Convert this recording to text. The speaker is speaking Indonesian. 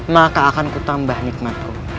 maka akan ku tambah nikmatku